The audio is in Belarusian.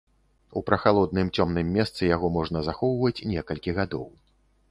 У прахалодным цёмным месцы яго можна захоўваць некалькі гадоў.